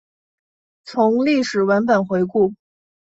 从历史文本回顾